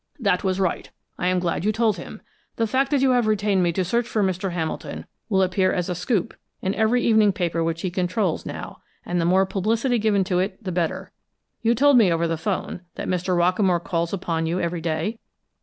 "That was right. I am glad you told him. The fact that you have retained me to search for Mr. Hamilton will appear as a scoop in every evening paper which he controls, now, and the more publicity given to it, the better. You told me over the 'phone that Mr. Rockamore calls upon you every day?"